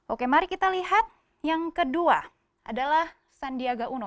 oke mari kita lihat yang kedua adalah sandiaga uno